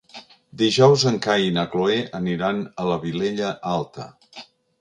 Dijous en Cai i na Cloè aniran a la Vilella Alta.